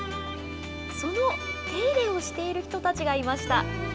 その手入れをしている人たちがいました。